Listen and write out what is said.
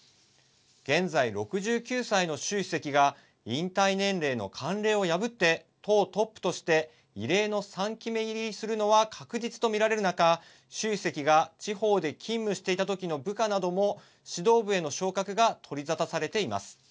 現在、６９歳の習主席が引退年齢の慣例を破って党トップとして異例の３期目入りするのは確実と見られる中、習主席が地方で勤務していた時の部下なども指導部への昇格が取り沙汰されています。